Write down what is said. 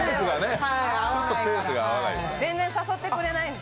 全然誘ってくれない。